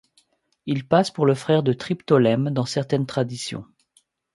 Il passe pour le frère de Triptolème dans certaines traditions.